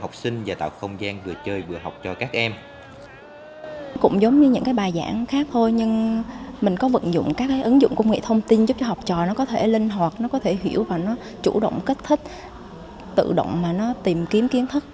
học sinh và tạo không gian vừa chơi vừa học cho các em